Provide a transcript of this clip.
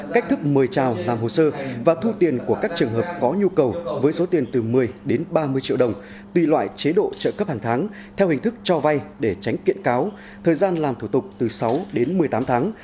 các trường hợp có nhu cầu với số tiền từ một mươi đến ba mươi triệu đồng tùy loại chế độ trợ cấp hàng tháng theo hình thức cho vay để tránh kiện cáo thời gian làm thủ tục từ sáu đến một mươi tám tháng